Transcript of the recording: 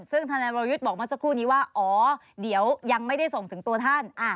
ซึ่งธนายวรยุทธ์บอกเมื่อสักครู่นี้ว่าอ๋อเดี๋ยวยังไม่ได้ส่งถึงตัวท่าน